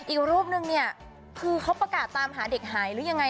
อีกรูปนึงเนี่ยคือเขาประกาศตามหาเด็กหายหรือยังไง